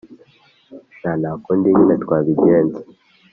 sha ntakundi nyine twabbijyenza!